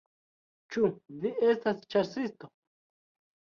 Ĉu vi estas ĉasisto?